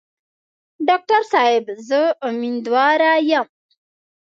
ډاکټر صاحب زه امیندواره یم.